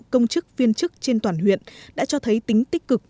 công chức viên chức trên toàn huyện đã cho thấy tính tích cực